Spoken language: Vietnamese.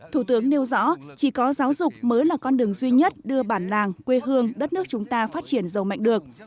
thủ tướng nêu rõ chỉ có giáo dục mới là con đường duy nhất đưa bản làng quê hương đất nước chúng ta phát triển giàu mạnh được